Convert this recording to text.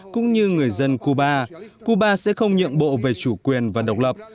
cũng như người dân cuba cuba sẽ không nhượng bộ về chủ quyền và độc lập